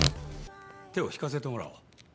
手を引かせてもらおう。